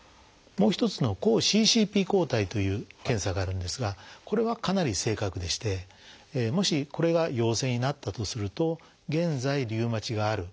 もう一つの「抗ＣＣＰ抗体」という検査があるんですがこれはかなり正確でしてもしこれが陽性になったとすると現在リウマチがある。